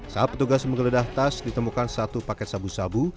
saat petugas menggeledah tas ditemukan satu paket sabu sabu